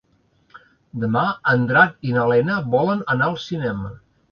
Demà en Drac i na Lena volen anar al cinema.